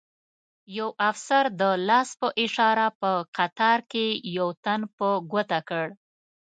یو افسر د لاس په اشاره په قطار کې یو تن په ګوته کړ.